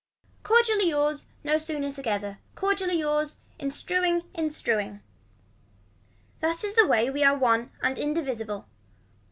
Cordially yours. Not sooner together. Cordially yours. In strewing, in strewing. That is the way we are one and indivisible.